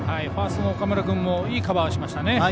ファーストの岡村君もいいカバーをしましたね。